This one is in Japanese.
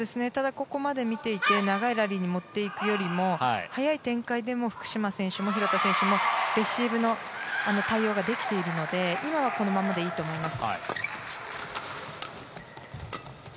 ここまで見ていて長いラリーに持っていくより早い展開でも福島選手も廣田選手もレシーブの対応ができているので今はこのままでいいと思います。